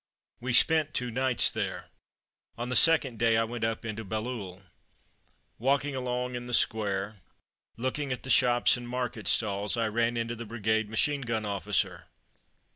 We spent two nights there. On the second day I went up into Bailleul. Walking along in the Square, looking at the shops and market stalls, I ran into the brigade machine gun officer.